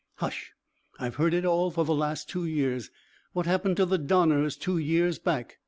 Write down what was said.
"Hush! I've heard it all for the last two years. What happened to the Donners two years back?